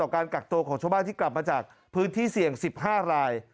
การกักตัวของชาวบ้านที่กลับมาจากพื้นที่เสี่ยง๑๕ราย